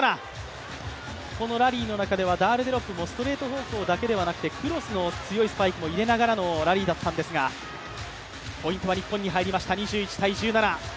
このラリーの中ではダールデロップもストレートだけではなくてクロスの強いスパイクも入れながらのラリーだったんですがポイントは日本に入りました、２１−１７。